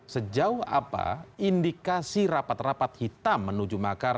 sejauh apa indikasi rapat rapat hitam menuju makar